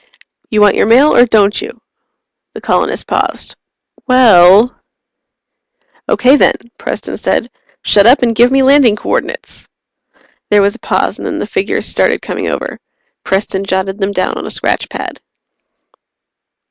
"You want your mail or don't you?" The colonist paused. "Well " "Okay, then," Preston said. "Shut up and give me landing coordinates!" There was a pause, and then the figures started coming over. Preston jotted them down on a scratch pad.